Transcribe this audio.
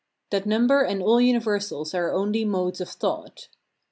That number and all universals are only modes of thought.